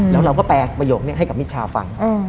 แล้วเราก็แปลประโยคนี้ให้กับมิชาฟัง